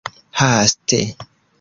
haste